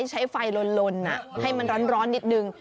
ใช้ไฟลนให้มันร้อนนิดนึง